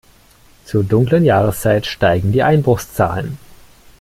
Zur dunklen Jahreszeit steigen die Einbruchszahlen.